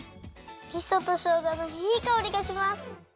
みそとしょうがのいいかおりがします。